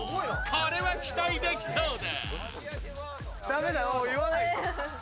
これは期待できそうだ。